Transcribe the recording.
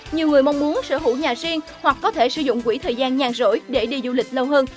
nhiều người mong muốn sở hữu nhà riêng hoặc có thể sử dụng quỹ thời gian nhàn rỗi để đi du lịch lâu hơn